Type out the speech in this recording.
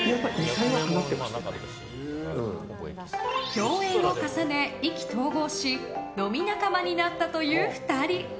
共演を重ね、意気投合し飲み仲間になったという２人。